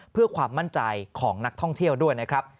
เพื่อความมั่นใจของนักท่องเที่ยวด้วยนะครับ